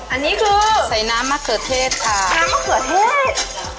อันนี้คือใส่น้ำมะเขือเทศค่ะน้ำมะเขือเทศ